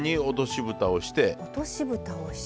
落としぶたをして。